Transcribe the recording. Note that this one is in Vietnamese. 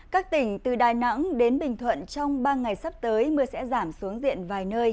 các tỉnh từ đà nẵng đến bình thuận trong ba ngày sắp tới mưa sẽ giảm xuống diện vài nơi